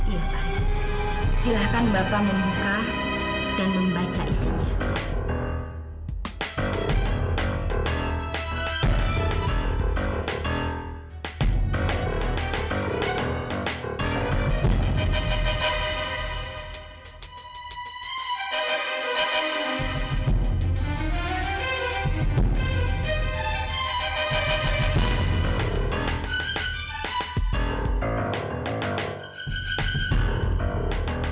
iya pak silahkan bapak membuka dan membaca isinya